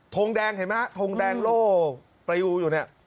งแดงเห็นไหมฮะทงแดงโล่ปลิวอยู่เนี่ย